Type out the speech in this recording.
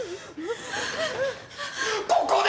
ここで！？